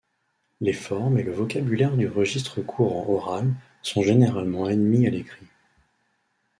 Les formes et le vocabulaire du registre courant oral sont généralement admis à l'écrit.